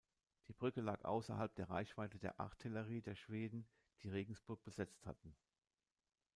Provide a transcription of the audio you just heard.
Die Brücke lag außerhalb der Reichweite der Artillerie der Schweden, die Regensburg besetzt hatten.